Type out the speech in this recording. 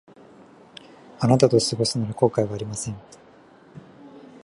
あなたと過ごすなら後悔はありません